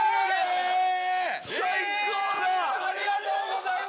ありがとうございます！